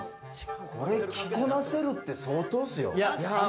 これ着こなせるって相当っすよ。